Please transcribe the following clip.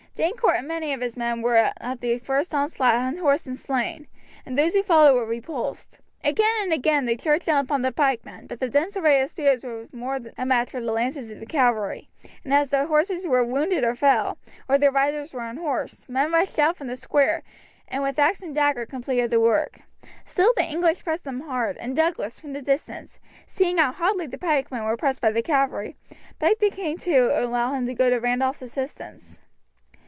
Daynecourt and many of his men were at the first onslaught unhorsed and slain, and those who followed were repulsed. Again and again they charged down upon the pikemen, but the dense array of spears was more than a match for the lances of the cavalry, and as the horses were wounded and fell, or their riders were unhorsed, men rushed out from the square, and with axe and dagger completed the work. Still the English pressed them hard, and Douglas, from the distance, seeing how hotly the pikemen were pressed by the cavalry, begged the king to allow him to go to Randolph's assistance.